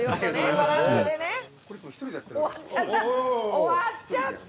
終わっちゃった。